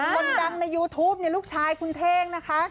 คนดังในยูทูปลูกชายคุณเท่งนะคะ